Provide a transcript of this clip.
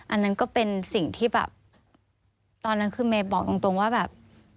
อันนั้นก็เป็นสิ่งที่แบบตอนนั้นคือเมย์บอกตรงว่าแบบ